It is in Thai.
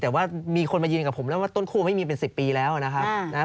แต่ว่ามีคนมายืนกับผมแล้วว่าต้นคู่ไม่มีเป็น๑๐ปีแล้วนะครับ